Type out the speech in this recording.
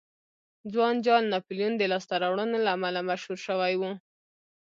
ځوان جال ناپلیون د لاسته راوړنو له امله مشهور شوی و.